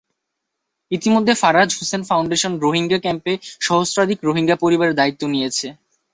ইতিমধ্যে Faraaz Hossain foundation Rohingya ক্যাম্পে সহস্রাধিক রোহিঙ্গা পরিবারের দায়িত্ব নিয়েছে।